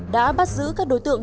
đã bắt giữ các đối tượng